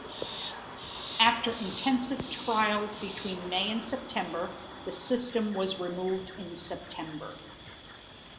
After intensive trials between May and September, the system was removed in September.